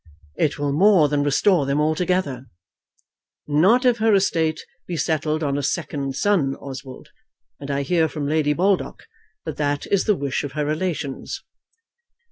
"It will more than restore them altogether." "Not if her estate be settled on a second son, Oswald, and I hear from Lady Baldock that that is the wish of her relations."